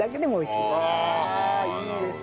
ああいいですね。